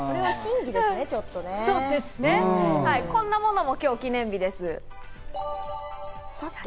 こんなものも今日が記念日です。